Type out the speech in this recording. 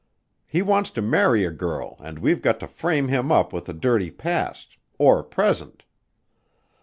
He wants to marry a girl and we've got to frame him up with a dirty past or present.